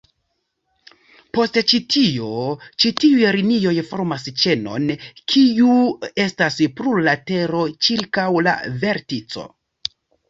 Post ĉi tio, ĉi tiuj linioj formas ĉenon, kiu estas plurlatero, ĉirkaŭ la vertico.